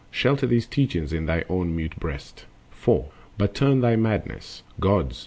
Shelter these teachings in thine own mute breast. 4. But turn their madness, Gods!